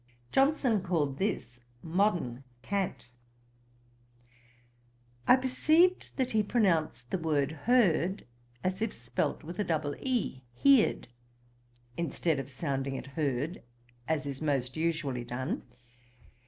Johnson called this 'modern cant.' I perceived that he pronounced the word heard, as if spelt with a double e, heerd, instead of sounding it herd, as is most usually done.